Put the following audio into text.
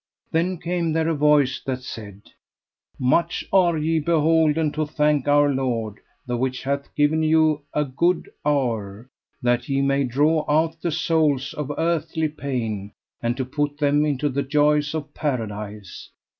Then came there a voice that said: Much are ye beholden to thank Our Lord, the which hath given you a good hour, that ye may draw out the souls of earthly pain, and to put them into the joys of paradise.